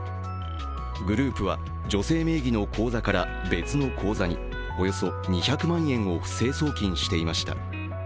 グループは女性名義の口座から別の口座におよそ２００万円を不正送金していました。